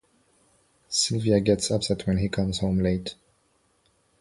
Sylvia gets upset when he comes home late.